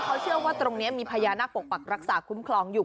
เขาเชื่อว่าตรงนี้มีพญานาคปกปักรักษาคุ้มครองอยู่